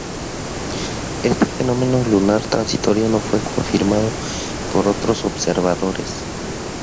Este fenómeno lunar transitorio no fue confirmado por otros observadores.